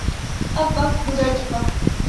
اب وقت گزر چکا ہے۔